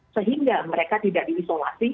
sehingga mereka tidak diisolasi